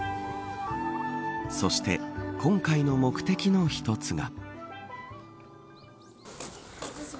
そして、今回の目的の一つが。